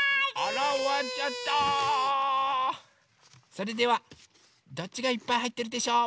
それではどっちがいっぱいはいってるでしょう？